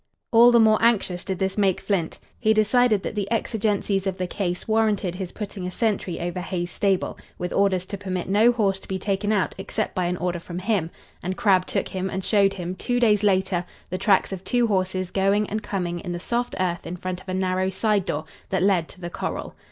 All the more anxious did this make Flint. He decided that the exigencies of the case warranted his putting a sentry over Hay's stable, with orders to permit no horse to be taken out except by an order from him, and Crabb took him and showed him, two days later, the tracks of two horses going and coming in the soft earth in front of a narrow side door that led to the corral.